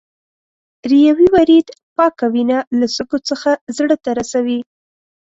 ریوي ورید پاکه وینه له سږو څخه زړه ته رسوي.